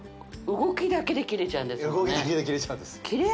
動きだけで切れちゃうんです